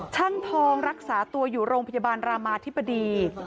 ช่างทองรักษาตัวอยู่โรงพยาบาลรามาธิบดี